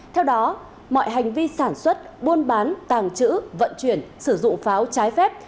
theo đó mọi hành vi sản xuất buôn bán tàng trữ vận chuyển sử dụng pháo trái phép